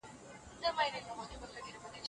نه منګي ځي تر ګودره نه د پېغلو کتارونه